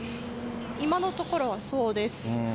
今のところはそうです。